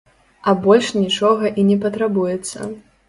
А больш нічога і не патрабуецца!